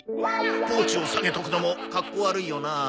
ポーチを提げとくのもかっこ悪いよなあ。